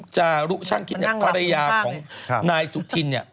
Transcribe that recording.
จารุช่างคิดอย่างภรรยาของนายสุธิน